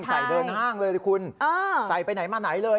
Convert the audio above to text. เดินห้างเลยเลยคุณใส่ไปไหนมาไหนเลย